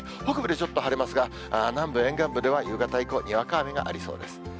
北部でちょっと晴れますが、南部、沿岸部では夕方以降、にわか雨がありそうです。